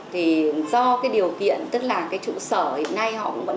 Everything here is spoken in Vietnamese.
thì do cái điều kiện tức là cái trụ sở hiện nay họ vẫn